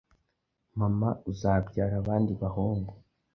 Mama uzabyara abandi bahungu?